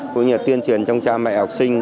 cũng như là tuyên truyền trong cha mẹ học sinh